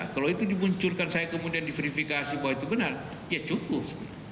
kalau itu dimunculkan saya kemudian diverifikasi bahwa itu benar ya cukup